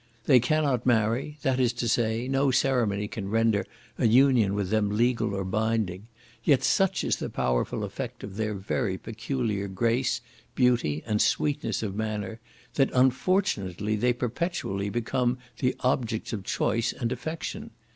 They cannot marry; that is to say, no ceremony can render an union with them legal or binding; yet such is the powerful effect of their very peculiar grace, beauty, and sweetness of manner, that unfortunately they perpetually become the objects of choice and affection.